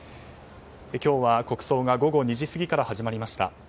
今日は国葬が午後２時過ぎから始まりました。